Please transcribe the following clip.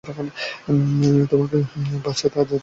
তোমাকে বাছা, নিজে থাকিয়া মহিনের খাওয়াদাওয়া সমস্তই দেখিতে হইবে।